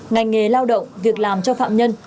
ngành nghề lao động việc làm cho phạm nhân